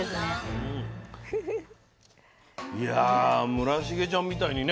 村重ちゃんみたいにね